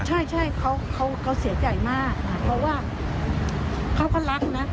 ใช่เขาเสียใจมากเพราะว่าเขาก็รักนะ